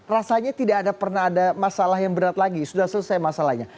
rasanya tidak pernah ada masalah yang berat lagi sudah selesai masalahnya